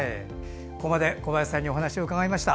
ここまで小林さんにお話を伺いました。